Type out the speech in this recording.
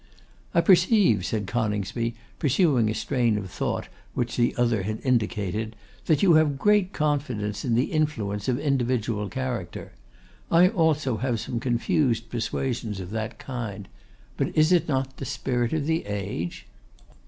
'I perceive,' said Coningsby, pursuing a strain of thought which the other had indicated, 'that you have great confidence in the influence of individual character. I also have some confused persuasions of that kind. But it is not the Spirit of the Age.